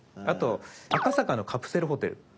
あと「赤坂のカプセルホテル」。